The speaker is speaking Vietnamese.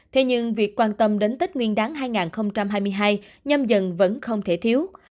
thế nhưng việc quan tâm đến tết nguyên đáng hai nghìn hai mươi hai nhâm dần vẫn không thể thiếu